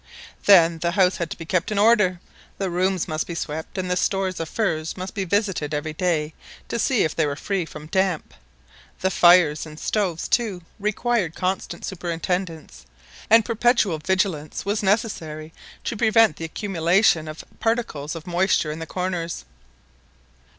Then the house had to be kept in order, the rooms must be swept, and the stores of furs must be visited every day to see if they were free from damp; the fires and stoves, too, required constant superintendence, and perpetual vigilance was necessary to prevent the accumulation of particles of moisture in the corners.